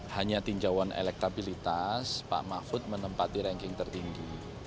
hanya tinjauan elektabilitas pak mahfud menempat di ranking tertinggi